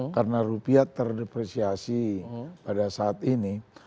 karena rupiah terdepresiasi pada saat ini